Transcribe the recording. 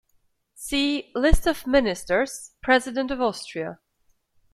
See: List of Ministers-President of Austria.